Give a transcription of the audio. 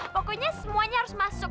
pokoknya semuanya harus masuk